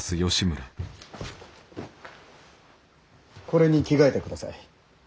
これに着替えてください。